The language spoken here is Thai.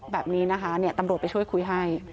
แบบนี้นะคะตำรวจไปช่วยคุยให้